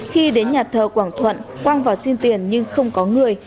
khi đến nhà thờ quảng thuận quang vào xin tiền nhưng không có người